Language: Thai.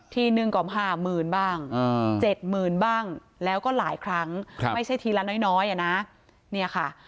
ที๑กว่า๕หมื่นบ้าง๗หมื่นบ้างแล้วก็หลายครั้งไม่ใช่ทีละน้อยนี่ค่ะ